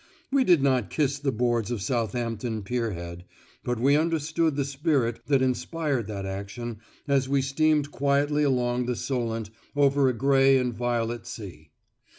We did not kiss the boards of Southampton pier head, but we understood the spirit that inspired that action as we steamed quietly along the Solent over a grey and violet sea.